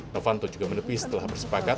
novanto juga menepi setelah bersepakat